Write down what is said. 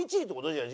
じゃあ。